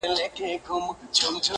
د پلرونو د نیکونو له داستانه یمه ستړی؛